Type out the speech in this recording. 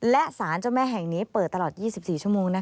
และสารเจ้าแม่แห่งนี้เปิดตลอด๒๔ชั่วโมง